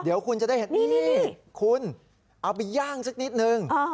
เดี๋ยวคุณจะได้เห็นนี่คุณเอาไปย่างสักนิดนึง